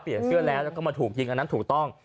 เปลี่ยนเสื้อแล้วก็มาถูกจริงอันนั้นถูกต้อง